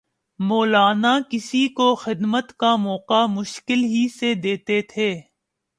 مولانا کسی کو خدمت کا موقع مشکل ہی سے دیتے تھے